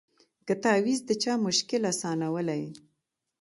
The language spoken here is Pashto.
که تعویذ د چا مشکل آسانولای